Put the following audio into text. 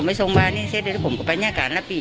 แต่ตั้งแต่นั่นก็หายไปเลยอ่ะ